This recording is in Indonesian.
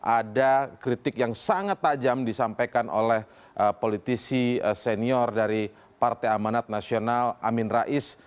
ada kritik yang sangat tajam disampaikan oleh politisi senior dari partai amanat nasional amin rais